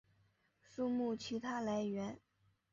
书目其它来源